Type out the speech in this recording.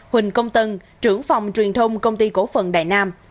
huỳnh công tân trưởng phòng truyền thông công ty cổ phần đài nam